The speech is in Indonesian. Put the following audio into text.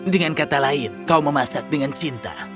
dengan kata lain kau memasak dengan cinta